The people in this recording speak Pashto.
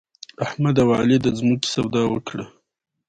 احمد او علي د ځمکې سودا وکړه.